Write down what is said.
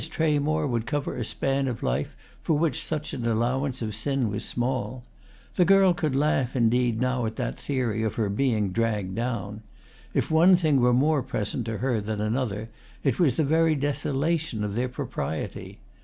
Tramore would cover a span of life for which such an allowance of sin was small. The girl could laugh indeed now at that theory of her being dragged down. If one thing were more present to her than another it was the very desolation of their propriety.